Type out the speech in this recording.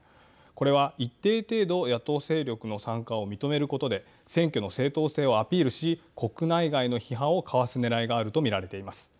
これは一定程度野党勢力の参加を認めることで選挙の正当性をアピールし国内外の批判をかわすねらいがあるとみられます。